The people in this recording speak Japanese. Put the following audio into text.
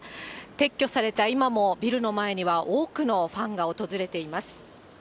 撤去された今も、ビルの前には多くのファンが訪れています。